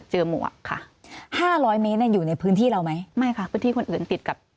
หมวกค่ะห้าร้อยเมตรอยู่ในพื้นที่เราไหมไม่ค่ะพื้นที่คนอื่นติดกับ